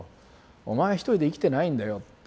お前一人で生きてないんだよって。